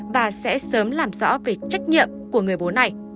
và sẽ sớm làm rõ về trách nhiệm của người bố này